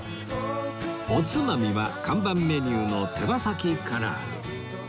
おつまみは看板メニューの手羽先唐揚